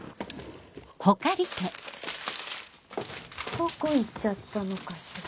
どこいっちゃったのかしら。